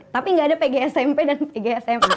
tapi nggak ada pg smp dan pg smp